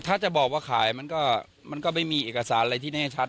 ถ้าจะบอกว่าขายมันก็ไม่มีเอกสารอะไรที่แน่ชัด